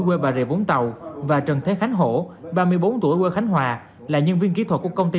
quê bà rịa vũng tàu và trần thế khánh hổ ba mươi bốn tuổi quê khánh hòa là nhân viên kỹ thuật của công ty